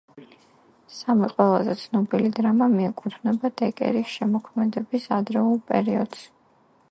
სამი ყველაზე ცნობილი დრამა მიეკუთვნება დეკერის შემოქმედების ადრეულ პერიოდს.